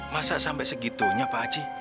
masa sampai segitunya pak haji